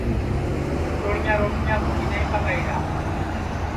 کُھٹوڑیاں روٹیاں کوئی نائی پکائیرا